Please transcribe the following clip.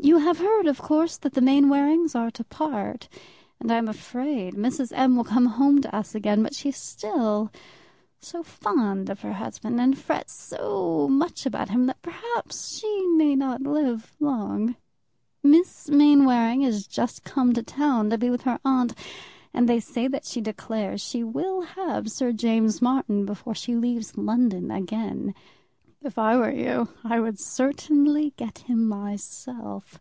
You have heard of course that the Mainwarings are to part, and I am afraid Mrs. M. will come home to us again; but she is still so fond of her husband, and frets so much about him, that perhaps she may not live long. Miss Mainwaring is just come to town to be with her aunt, and they say that she declares she will have Sir James Martin before she leaves London again. If I were you, I would certainly get him myself.